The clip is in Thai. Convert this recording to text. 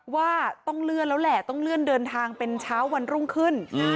ว่าต้องเลื่อนแล้วแหละต้องเลื่อนเดินทางเป็นเช้าวันรุ่งขึ้น